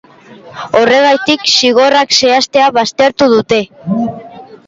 Horregatik, zigorrak zehaztea baztertu dute.